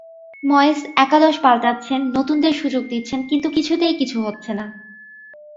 ময়েস একাদশ পাল্টাচ্ছেন, নতুনদের সুযোগ দিচ্ছেন, কিন্তু কিছুতেই কিছু হচ্ছে না।